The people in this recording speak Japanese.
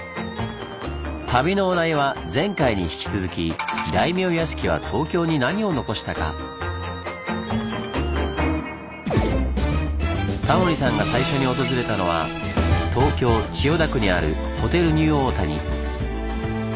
旅のお題は前回に引き続きタモリさんが最初に訪れたのは東京千代田区にあるホテルニューオータニ。